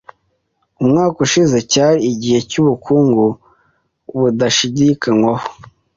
Umwaka ushize cyari igihe cyubukungu budashidikanywaho.